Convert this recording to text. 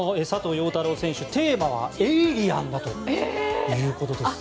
陽太郎選手テーマはエイリアンだということです。